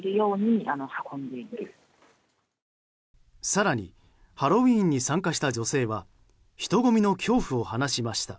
更にハロウィーンに参加した女性は人混みの恐怖を話しました。